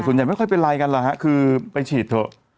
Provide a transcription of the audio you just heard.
ส่วนใหญ่ไม่ค่อยเป็นไรกันหรอกครับคือไปฉีดเถอะ